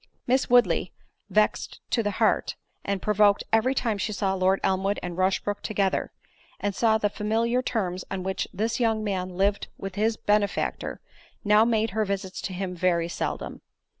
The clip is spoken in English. Miss Woodley, vexed to the heart, and provoked every time she saw Lord Elmwood and Rushbrook together, and saw the familiar terms on which this young man lived with his benefactor, now made her visits to him very seldom.